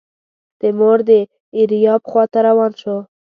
تیمور د ایریاب خواته روان شو.